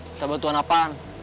minta bantuan apaan